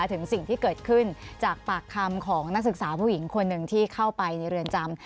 ถึงสิ่งที่เกิดขึ้นจากปากคำของนักศึกษาผู้หญิงคนหนึ่งที่เข้าไปในเรือนจำ